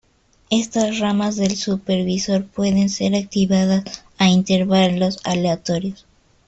Estas ramas del supervisor pueden ser activadas a intervalos aleatorios.